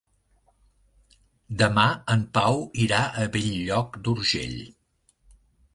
Demà en Pau irà a Bell-lloc d'Urgell.